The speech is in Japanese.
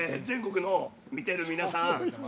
全国の見ている皆さん。